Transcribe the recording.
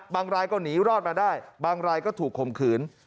รายก็หนีรอดมาได้บางรายก็ถูกข่มขืน